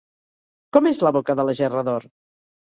Com és la boca de la gerra d'or?